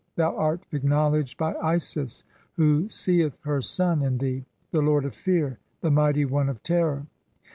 Thou art acknowledged by Isis who sceth her son "in thee, the lord of fear, the mighty one of terror.